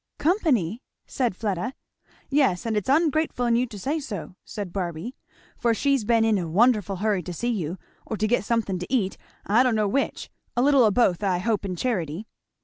"Company!! " said Fleda. "Yes, and it's ungrateful in you to say so," said Barby, "for she's been in a wonderful hurry to see you, or to get somethin' to eat; I don't know which; a little o' both, I hope in charity."